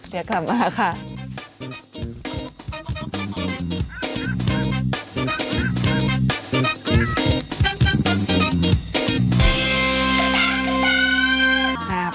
เรียกกลับมาค่ะ